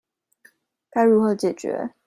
該如何解決